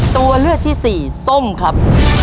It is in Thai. ตัวเลือกที่สี่ส้มครับ